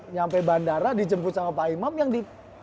nyampe bandara dijemput sama pak imam yang di